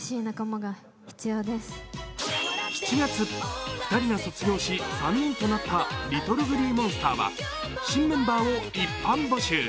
７月、２人が卒業し、３人となったＬｉｔｔｌｅＧｌｅｅＭｏｎｓｔｅｒは新メンバーを一般募集。